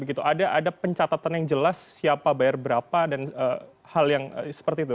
ada pencatatan yang jelas siapa bayar berapa dan hal yang seperti itu